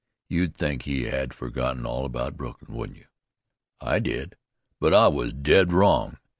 You'd think he had forgotten all about Brooklyn, wouldn't you? I did, but I was dead wrong.